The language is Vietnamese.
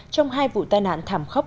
trong hai vụ tai nạn thảm khốc